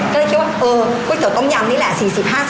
ก็เลยคิดว่าก๋วยเตี๋ต้มยำนี่แหละ